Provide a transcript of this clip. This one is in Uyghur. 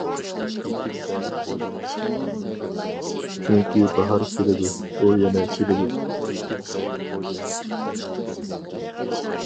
چۈنكى باھار كېلىدۇ، ئۇ يەنە كېلىدۇ.